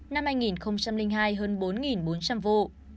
năm hai nghìn hai hơn bốn bốn trăm linh vụ